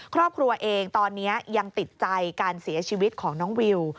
ครอบครัวเองตอนนี้ยังติดใจการเสียชีวิตของน้องวิว